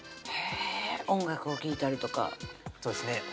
へぇ音楽を聴いたりとかそうですね